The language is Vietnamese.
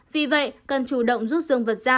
vì vậy cần chủ động rút dương vật ra